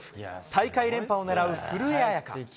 大会連覇を狙う古江彩佳。